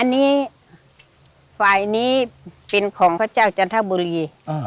อันนี้ฝ่ายนี้เป็นของพระเจ้าจันทบุรี